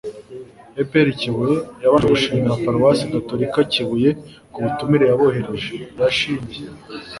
e.p.r kibuye, yabanje gushimira paruwasi gatolika kibuye ku butumire yaboherereje. yashimiye